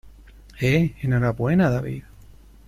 ¡ eh! enhorabuena, David.